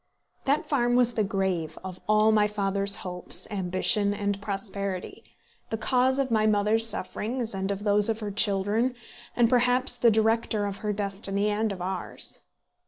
That farm was the grave of all my father's hopes, ambition, and prosperity, the cause of my mother's sufferings, and of those of her children, and perhaps the director of her destiny and of ours.